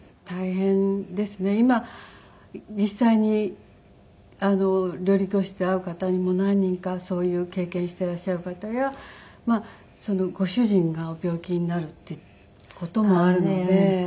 今実際に料理教室で会う方にも何人かそういう経験していらっしゃる方やご主人がお病気になるっていう事もあるので。